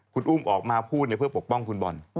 คุณอุ้มออกมาพูดเพื่อปกป้องคุณบอล